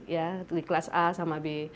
ya di kelas a sama b